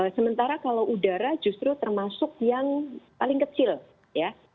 sementara kalau udara justru termasuk yang paling kecil ya